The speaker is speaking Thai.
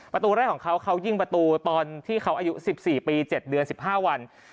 ประตูแรกของเขาเขายิงประตูตอนที่เขาอายุสิบสี่ปีเจ็ดเดือนสิบห้าวัน